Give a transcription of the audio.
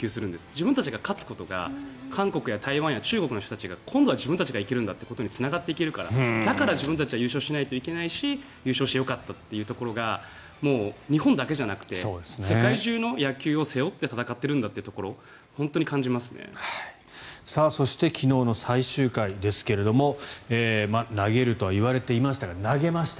自分たちが勝つことが韓国や台湾や中国の人たちが今度は自分たちが行けるんだというところにつながっていくしだから自分たちは優勝しなきゃいけないし優勝してよかったと日本だけじゃなくて世界中の野球を背負って戦っているんだというところをそして昨日の最終回ですが投げるとは言われていましたが投げました。